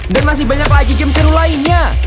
dan masih banyak lagi game seru lainnya